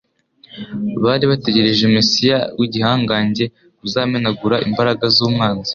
Bari bategereje Mesiya w'igihangange uzamenagura imbaraga z'umwanzi